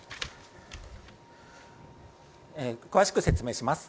詳しく説明します。